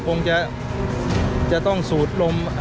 คงจะต้องสูดลม